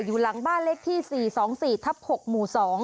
อยู่หลังบ้านเลขที่๔๒๔ทับ๖หมู่๒